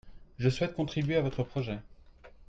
Je souhaite contribuer à votre projet